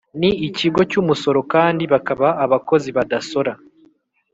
ni ikigo cy umusoro kandi bakaba abakozi badasora